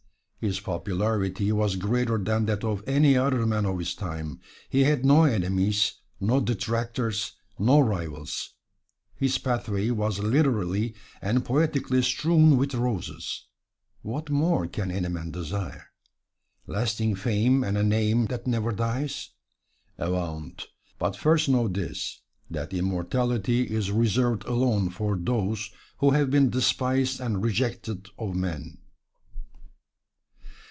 His popularity was greater than that of any other man of his time. He had no enemies, no detractors, no rivals his pathway was literally and poetically strewn with roses. What more can any man desire? Lasting fame and a name that never dies? Avaunt! but first know this, that immortality is reserved alone for those who have been despised and rejected of men.